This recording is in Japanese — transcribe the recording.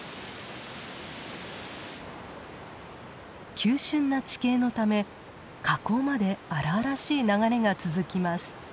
急しゅんな地形のため河口まで荒々しい流れが続きます。